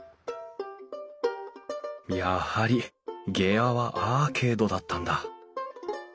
やはり下屋はアーケードだったんだ。